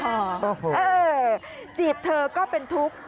เออจีบเธอก็เป็นทุกข์